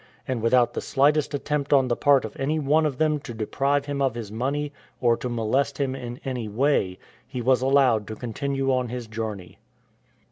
And without the slightest attempt on the part of any one of them to deprive him of his money or to molest him in any way, he was allowed to continue on his journey.